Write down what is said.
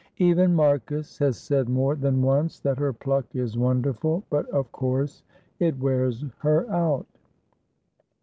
Even Marcus has said more than once that her pluck is wonderful, but of course it wears her out."